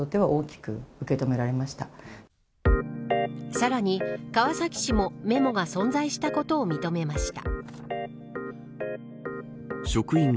さらに、川崎市もメモが存在したことを認めました。